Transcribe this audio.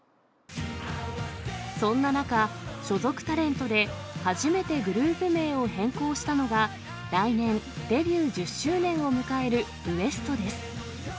そんな中、所属タレントで初めてグループ名を変更したのが来年、デビュー１０周年を迎えるＷＥＳＴ．です。